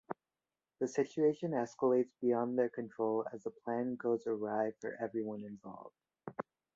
The situation escalates beyond their control as the plan goes awry for everyone involved.